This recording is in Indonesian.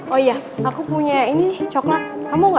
oh iya aku punya ini coklat kamu mau nggak